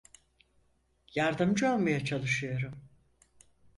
Yardımcı olmaya çalışıyorum.